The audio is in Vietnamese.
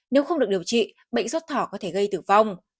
nếu không được điều trị bệnh sốt thỏ có thể gây tử vong